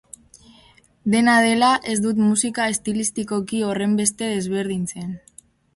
Dena dela, ez dut musika estilistikoki horrenbeste desberdintzen.